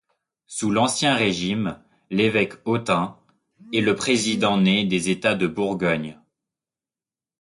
Sous l'Ancien régime, l'évêque d'Autun est le président-né des états de Bourgogne.